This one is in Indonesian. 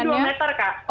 ekornya dua meter kak